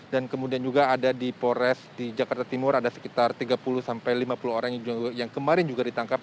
dan kemudian juga ada di polres jakarta timur ada sekitar tiga puluh sampai lima puluh orang yang kemarin juga ditangkap